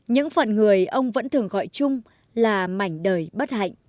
những phận người ông vẫn thường gọi chung là mảnh đời bất hạnh